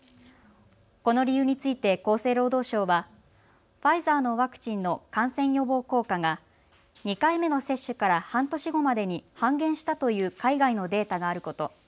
この理由について厚生労働省はファイザーのワクチンの感染予防効果が２回目の接種から半年後までに半減したという海外のデータがあること。